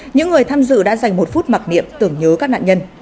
những người tham dự đã dành một phút mặc niệm tưởng nhớ các nạn nhân